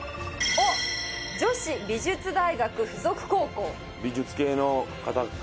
おっ女子美術大学付属高校。